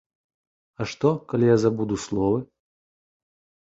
А што, калі я забуду словы?